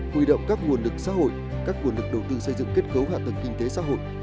huy động các nguồn lực xã hội các nguồn lực đầu tư xây dựng kết cấu hạ tầng kinh tế xã hội